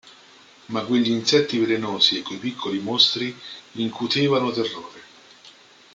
Ma quegli insetti velenosi e quei piccoli mostri incutevano terrore.